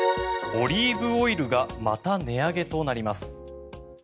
オリーブオイルがまた値上げとなります。